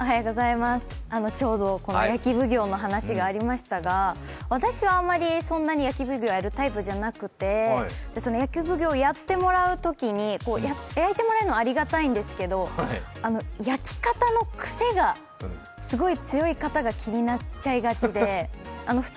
ちょうどこの焼き奉行の話がありましたが私はあまり、そんなに焼き奉行やるタイプじゃなくて焼き奉行をやってもうときに焼いてもらうのはありがたいんですけど、焼き方の癖がすごい強い方が気になっちゃいがちで普通